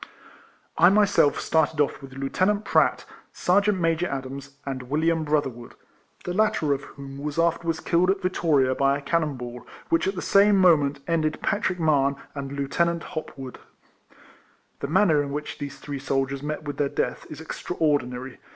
I myself started off with Lieuten ant Pratt, Sergeant Major Adams, and William Brother wood, the latter of whom was afterwards killed at Vittoria by a cannon ball, which at the same moment ended Patrick Mahon and Lieutenant Hop wood.* * The manner in which these three soldiers met with their death is extraordinary.